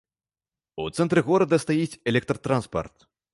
У цэнтры горада стаіць электратранспарт.